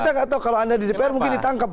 saya nggak tahu kalau anda di dpr mungkin ditangkap